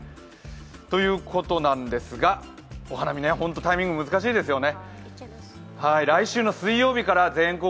ということですが、お花見、本当にタイミングが難しいですよね。